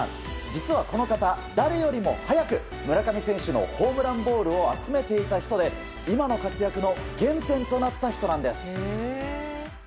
実はこの方、誰よりも早く村上選手のホームランボールを集めていた人で今の活躍の原点となった人なんです。